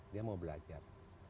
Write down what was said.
dia mau belajar